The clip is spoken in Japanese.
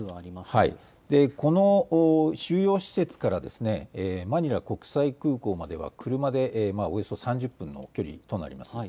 この収容施設からマニラ国際空港までは車でおよそ３０分の距離となります。